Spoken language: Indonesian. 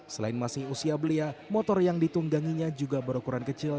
selain masih usia belia motor yang ditungganginya juga berukuran kecil